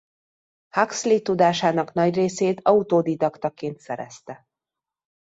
Huxley tudásának nagy részét autodidaktaként szerezte.